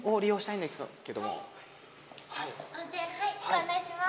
温泉はいご案内します。